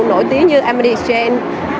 nổi tiếng như amity exchange